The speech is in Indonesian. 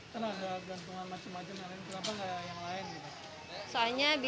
kenapa gak gantungan macam macam lain kenapa gak yang lain